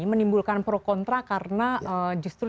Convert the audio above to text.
menimbulkan pro kontra karena justru